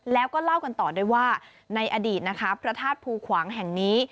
แล้วก็เล่ากันต่อด้วยว่าในอดีตนะคะพระธาตุภูขวางแห่งนี้